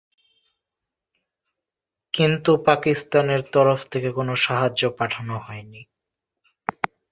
কিন্তু পাকিস্তানের তরফ থেকে কোন সাহায্য পাঠানো হয়নি।